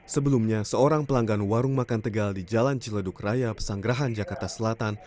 sebelumnya seorang pelanggan warung makan tegal di jalan ciledug raya pesanggerahan jakarta selatan